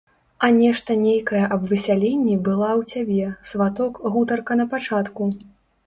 А нешта нейкае аб высяленні была ў цябе, сваток, гутарка напачатку.